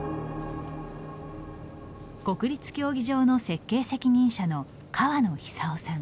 国立競技場の設計責任者の川野久雄さん。